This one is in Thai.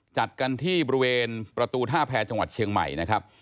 จัดกันที่บริเวณประตูท่าแพรจังหวัดเชียงใหม่นะครับ